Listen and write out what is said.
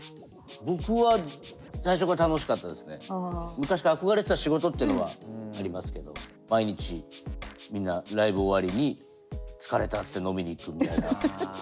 昔から憧れてた仕事っていうのはありますけど毎日みんなライブ終わりに「疲れた」っつって飲みに行くみたいな。